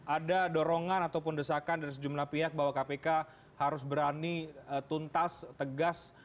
ada dorongan ataupun desakan dari sejumlah pihak bahwa kpk harus berani tuntas tegas